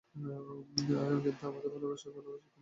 কিন্তু আমাকে ভালোবাসো, ভালোবাসো তুমি, যা চাও আমি সব করব।